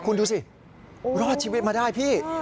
คุณดูสิรอดชีวิตมาได้พี่